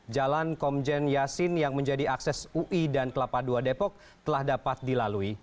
jalan komjen yasin yang menjadi akses ui dan kelapa ii depok telah dapat dilalui